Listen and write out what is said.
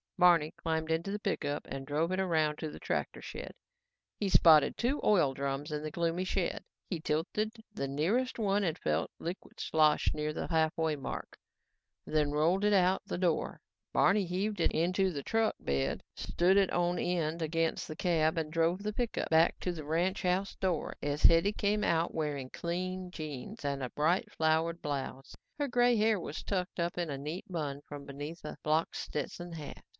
Barney climbed into the pickup and drove it around to the tractor shed. He spotted two oil drums in the gloomy shed. He tilted the nearest one and felt liquid slosh near the halfway mark, then rolled it out the door. Barney heaved it into the truck bed, stood it on end against the cab and drove the pickup back to the ranch house door as Hetty came out wearing clean jeans and a bright, flowered blouse. Her gray hair was tucked in a neat bun beneath a blocked Stetson hat.